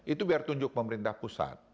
itu biar tunjuk pemerintah pusat